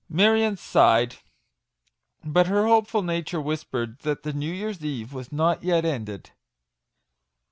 Marion sighed : but her hopeful nature whispered that the New Year's Eve was not yet ended.